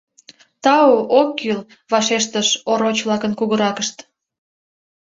Тау ок кӱл! — вашештыш ороч-влакын кугыракышт.